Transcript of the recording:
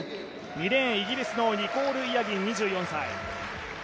２レーン、イギリスのニコール・イヤギン、２４歳。